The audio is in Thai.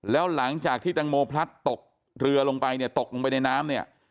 แล้วหลังจากที่แตงโมพลัดตกเรือลงไปเนี่ยตกลงไปในน้ำเนี่ย